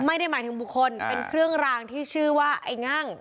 ไม่ได้หมายถึงบุคคลเป็นเครื่องรางที่ชื่อว่าไอ้งั่ง